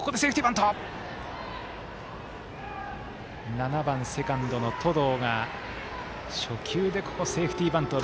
７番セカンドの登藤が初球でセーフティーバントを